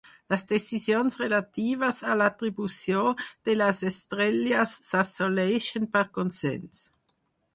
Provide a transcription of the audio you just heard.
Les decisions relatives a l’atribució de les estrelles s’assoleixen per consens.